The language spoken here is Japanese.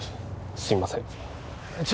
すいません